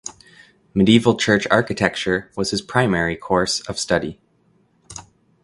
Medieval church architecture was his primary course of study.